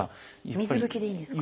水拭きでいいんですか？